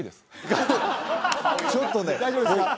ちょっとね大丈夫ですか？